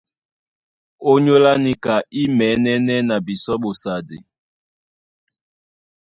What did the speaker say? Ónyólá níka í mɛ̌nɛ́nɛ́ na bisɔ́ ɓosadi.